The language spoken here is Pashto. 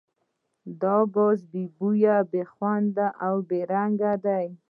دا ګاز بې بویه، بې خونده او بې رنګه دی.